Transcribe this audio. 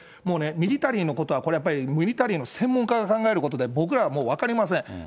もうね、ミリタリーのことは、これはやっぱりミリタリーの専門家が考えることで、僕らはもう分かりません。